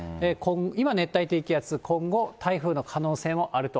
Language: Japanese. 今、熱帯低気圧、今後、台風の可能性もあると。